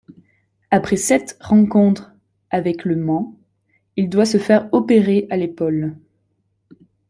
Après sept rencontres avec Le Mans, il doit se faire opérer à l'épaule.